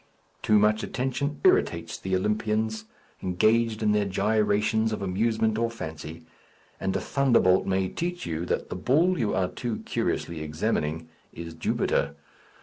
Too much attention irritates the Olympians engaged in their gyrations of amusement or fancy; and a thunderbolt may teach you that the bull you are too curiously examining is Jupiter.